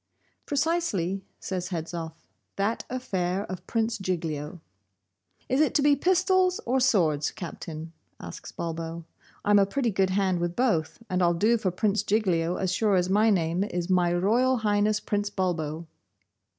'Precisely,' says Hedzoff, 'that affair of Prince Giglio.' 'Is it to be pistols, or swords, Captain?' asks Bulbo. 'I'm a pretty good hand with both, and I'll do for Prince Giglio as sure as my name is My Royal Highness Prince Bulbo.